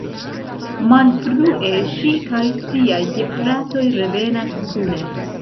Malfrue, ŝi kaj siaj gefratoj revenas kune.